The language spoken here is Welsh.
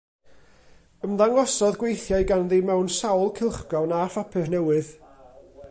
Ymddangosodd gweithiau ganddi mewn sawl cylchgrawn a phapur newydd.